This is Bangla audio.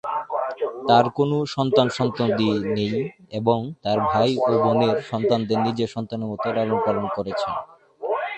তার কোন সন্তান-সন্ততি নেই এবং তার ভাই ও বোনের সন্তানদের নিজের সন্তানের মত লালনপালন করেছেন।